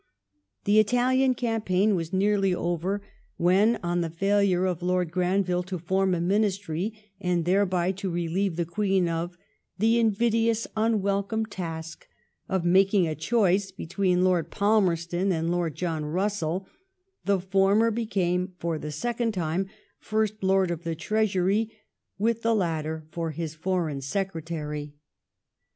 Tba Ilalian eampaign was nearly over» wke% an die JbihiTO of Lord GhranviUe to form a ministry, and thereby to relieve the Queen of the '*inv]cGpaa» unwelcome task ^ of making a choice between Lord Pai* merston and Lord John BusseU, the former became for the second time First Lord of the Treasury^ with the latter for bis Foreign Secretary.